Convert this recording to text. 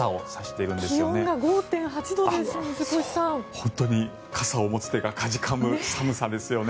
本当に、傘を持つ手がかじかむ寒さですよね。